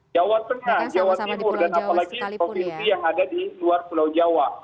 jawa tengah jawa timur dan apalagi provinsi yang ada di luar pulau jawa